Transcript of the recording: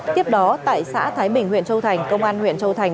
tiếp đó tại xã thái bình huyện châu thành công an huyện châu thành